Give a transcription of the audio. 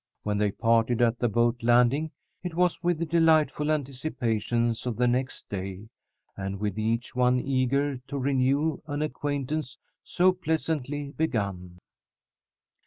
When they parted at the boat landing, it was with delightful anticipations of the next day, and with each one eager to renew an acquaintance so pleasantly begun.